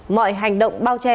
mọi hành động bao che